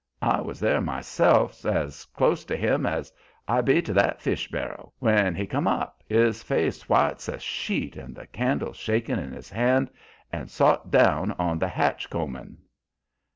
I was there myself, 's close to him as I be to that fish barrel, when he come up, his face white 's a sheet and the candle shakin' in his hand, and sot down on the hatch combin'.